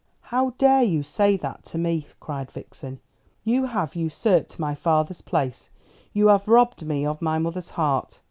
"How dare you say that to me?" cried Vixen. "You have usurped my father's place; you have robbed me of my mother's heart.